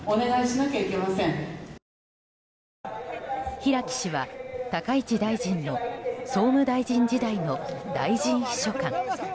平木氏は高市大臣の総務大臣時代の大臣秘書官。